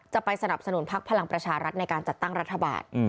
จะไปสนับสนุนพักพลังประชารัฐในการจัดตั้งรัฐบาล